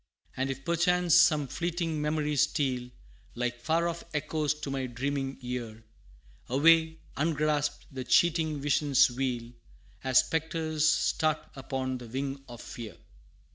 And if perchance some fleeting memories steal, Like far off echoes to my dreaming ear, Away, ungrasped, the cheating visions wheel, As spectres start upon the wing of fear.